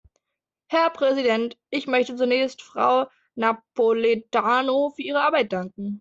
Herr Präsident, ich möchte zunächst Frau Napoletano für ihre Arbeit danken.